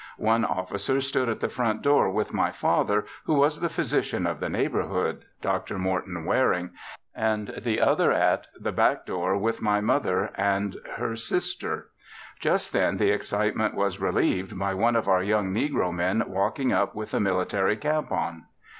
One officer stood at the front door with my father, who was the physician of the neighborhood, Dr. Morton Waring, and the other at the back door with my mother and her sister. Just then the excitement was relieved by one of our young negro men walking up with a military cap on.